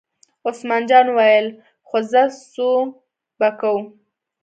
عثمان جان وویل: خو ځه څو به کوو.